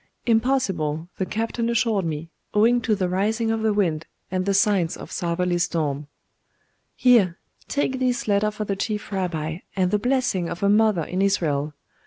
'Impossible, the captain assured me, owing to the rising of the wind, and the signs of southerly storm.' 'Here, take this letter for the Chief Rabbi, and the blessing of a mother in Israel.